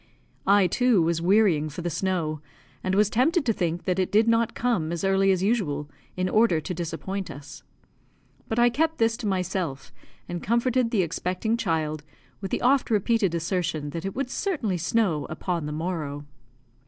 I, too, was wearying for the snow, and was tempted to think that it did not come as early as usual, in order to disappoint us. But I kept this to myself, and comforted the expecting child with the oft repeated assertion that it would certainly snow upon the morrow.